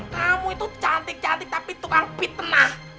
kamu itu cantik cantik tapi tukang fitnah